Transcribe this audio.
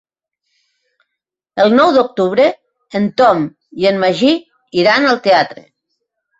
El nou d'octubre en Tom i en Magí iran al teatre.